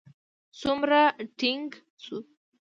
څومره ټينګ شو.